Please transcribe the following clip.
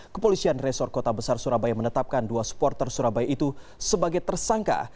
kepolisian resor kota besar surabaya menetapkan dua supporter surabaya itu sebagai tersangka